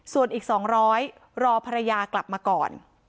ส่วนอีก๒๐๐รอภรรยากลับมาก่อน